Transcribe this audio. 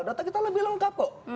data kita lebih lengkap kok